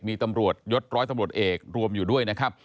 มีตำรวจยศร้อยตำรวจเอกรวมอยู่ด้วยนะครับ